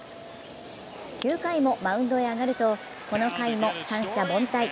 ９回もマウンドへ上がると、この回も三者凡退。